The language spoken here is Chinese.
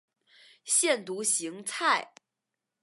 腺独行菜